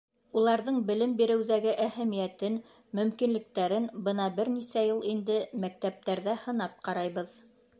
Уларҙың белем биреүҙәге әһәмиәтен, мөмкинлектәрен бына бер нисә йыл инде мәктәптәрҙә һынап ҡарайбыҙ.